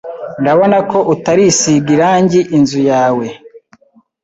Ndabona ko utarisiga irangi inzu yawe.